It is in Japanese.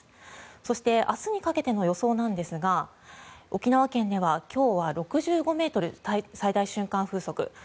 そして、明日にかけての予想なんですが沖縄県では今日は最大瞬間風速６５ｍ。